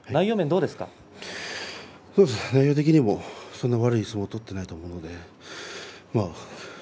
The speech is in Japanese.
内容的にもそう悪い相撲を取っていないと思います。